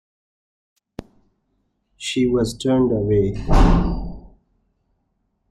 She was turned away.